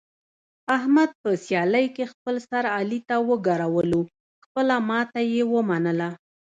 احمد په سیالۍ کې خپل سر علي ته وګرولو، خپله ماتې یې و منله.